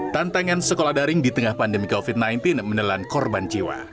tantangan sekolah daring di tengah pandemi covid sembilan belas menelan korban jiwa